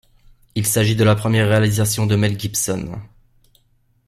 Il s'agit de la première réalisation de Mel Gibson.